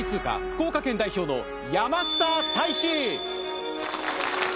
福岡県代表の山下泰史